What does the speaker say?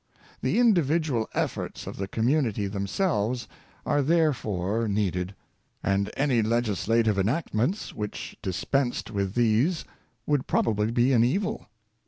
The individual efforts of the community themselves are therefore needed, and any legislative enactments which dispensed with these would probably be an evil.